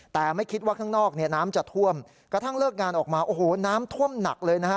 แต่ไม่คิดว่าข้างนอกเนี่ยน้ำจะท่วมกระทั่งเลิกงานออกมาโอ้โหน้ำท่วมหนักเลยนะฮะ